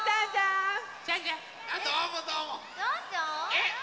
えっ？